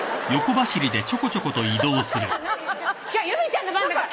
違う由美ちゃんの番だから！